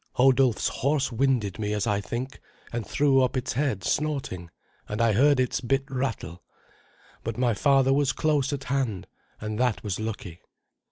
Hodulf's horse winded me, as I think, and threw up its head snorting, and I heard its bit rattle. But my father was close at hand, and that was lucky.